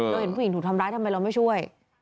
เห็นผู้หญิงถูกทำร้ายทำไมเราไม่ช่วย